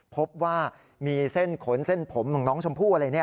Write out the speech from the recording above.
พบว่ามีเส้นขนเส้นผมของน้องชมพู่อะไรเนี่ย